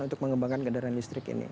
untuk mengembangkan kendaraan listrik ini